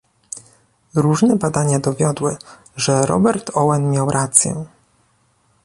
Różne badania dowiodły, że Robert Owen miał rację